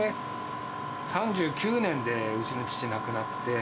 ３９年でうちの父亡くなって。